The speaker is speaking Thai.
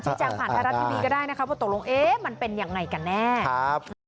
ชี้แจงผ่านธรรมดิวีก็ได้นะครับว่าตกลงมันเป็นอย่างไรกันแน่ครับ